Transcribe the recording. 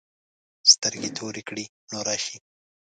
سترګې تورې کړې نو راشې.